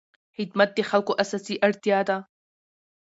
خدمت د خلکو اساسي اړتیا ده.